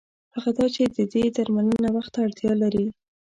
هغه دا چې د دې درملنه وخت ته اړتیا لري.